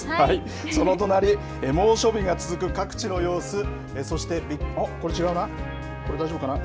その隣、猛暑日が続く各地の様子、そして、あっ、これ、違うな、これ、大丈夫かな？